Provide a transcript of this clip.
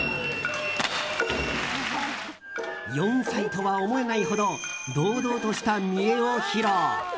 ４歳とは思えないほど堂々とした見えを披露。